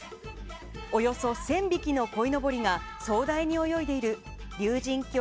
およそ１０００匹の鯉のぼりが壮大に泳いでいる竜神峡